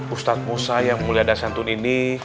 ustadz musa yang mulia dasyantun ini